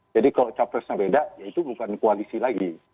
jadi kalau capresnya beda ya itu bukan koalisi lagi